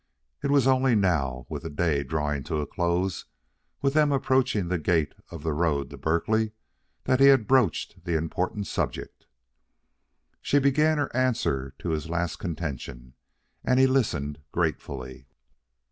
It was only now, with the day drawing to a close and with them approaching the gate of the road to Berkeley, that he had broached the important subject. She began her answer to his last contention, and he listened gratefully.